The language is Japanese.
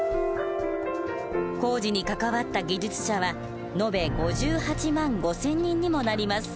工事に関わった技術者は延べ５８万５，０００人にもなります。